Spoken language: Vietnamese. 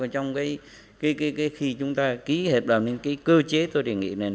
trong cái khi chúng ta ký hợp đồng nên cái cơ chế tôi đề nghị này